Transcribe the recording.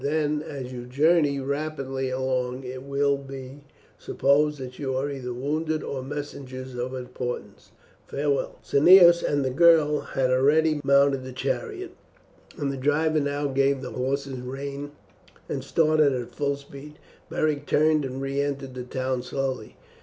"Then as you journey rapidly along it will be supposed that you are either wounded or messengers of importance. Farewell!" Cneius and the girl had already mounted the chariot, and the driver now gave the horses rein and started at full speed. Beric turned and re entered the town slowly.